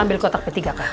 ambil kotak ketiga kak